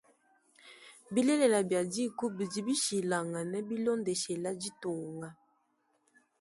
Bilele bia dîku bidi bishilangane bilondeshile ditunga.